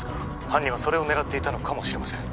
☎犯人はそれを狙っていたのかもしれません